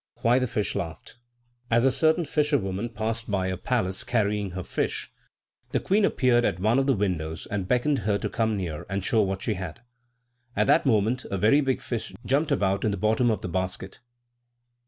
Why the Fish Laughed. As a certain fisherwoman passed by a palace crying her fish, the queen appeared at one of the windows and beckoned her to come near and show what she had. At that moment a very big fish jumped about in the bottom of the basket.